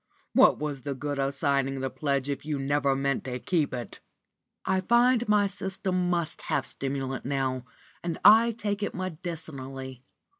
What was the good of signing the pledge if you never meant to keep it?" "I find my system must have stimulant now, and I take it medicinally."